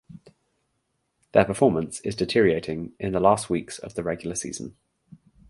Their performance is deteriorating in the last weeks of the Regular Season.